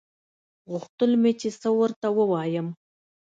غوښتل مې چې څه ورته ووايم.